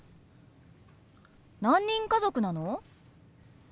何人家族なの？